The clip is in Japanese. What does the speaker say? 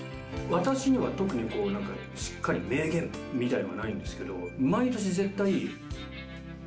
私には特にしっかり名言みたいのはないんですけど。